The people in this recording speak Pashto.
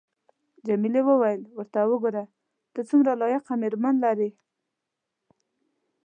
جميلې وويل:: ورته وګوره، ته څومره لایقه مېرمن لرې.